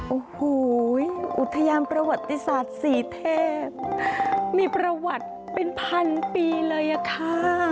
โอ้โหอุทยานประวัติศาสตร์สี่เทพมีประวัติเป็นพันปีเลยอะค่ะ